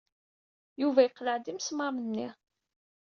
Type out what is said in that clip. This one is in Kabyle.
Yuba yeqleɛ-d imesmaṛen-nni.